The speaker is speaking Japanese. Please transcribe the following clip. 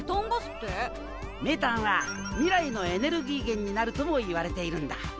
メタンは未来のエネルギー源になるともいわれているんだ。